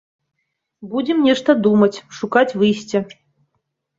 Будзем нешта думаць, шукаць выйсце.